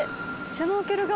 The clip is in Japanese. シュノーケルが。